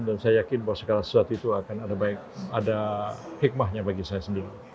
dan saya yakin bahwa segala sesuatu itu akan ada hikmahnya bagi saya sendiri